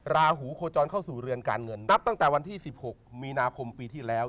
ราหูโคจรเข้าสู่เรือนการเงินนับตั้งแต่วันที่๑๖มีนาคมปีที่แล้ว